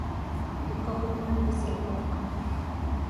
د کاهو پاڼې د څه لپاره وکاروم؟